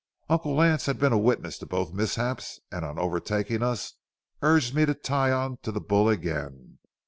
Uncle Lance had been a witness to both mishaps, and on overtaking us urged me to tie on to the bull again.